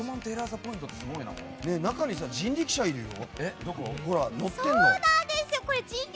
ねえ、中に人力車いるよ。